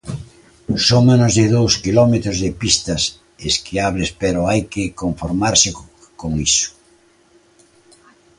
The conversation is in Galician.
Son menos de dous quilómetros de pistas esquiables, pero hai que conformarse con iso.